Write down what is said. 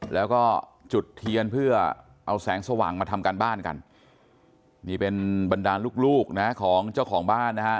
แล้วก็จุดเทียนเพื่อเอาแสงสว่างมาทำการบ้านกันนี่เป็นบรรดาลูกนะของเจ้าของบ้านนะฮะ